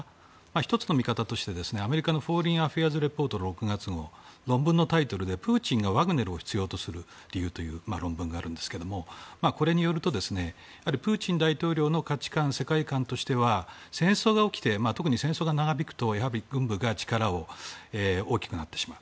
１つの見方として、アメリカのフォーリンアフェアーズレポート６月の論文のタイトルでプーチンがワグネルを必要とするという理由という論文があるんですけどこれによるとプーチン大統領の価値観・世界観としては戦争が起きて特に戦争が長引くと軍部の力が大きくなってしまう。